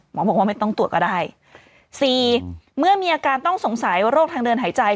หมอบอกว่าไม่ต้องตรวจก็ได้สี่เมื่อมีอาการต้องสงสัยโรคทางเดินหายใจ